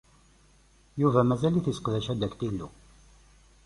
Yuba mazal-t yesseqdac adaktilu.